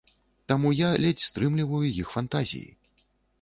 Таму я ледзь стрымліваю іх фантазіі.